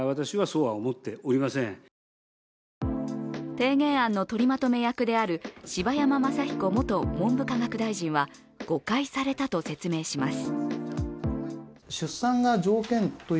提言案のとりまとめ役である柴山昌彦元文部科学大臣は誤解されたと説明します。